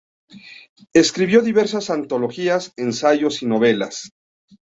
Escribió diversas antologías, ensayos y novelas.